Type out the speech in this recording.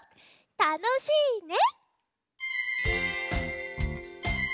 「たのしいね」。